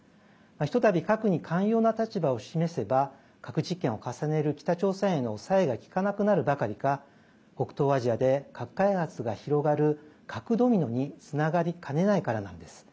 ひとたび核に寛容な立場を示せば核実験を重ねる北朝鮮への抑えが利かなくなるばかりか北東アジアで核開発が広がる核ドミノにつながりかねないからなんです。